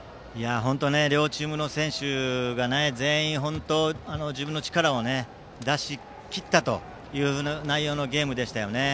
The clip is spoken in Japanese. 本当、両チームの選手が全員、自分の力を出し切ったと内容のゲームでしたね。